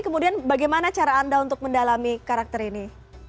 kemudian bagaimana cara anda untuk mendalami karakter ini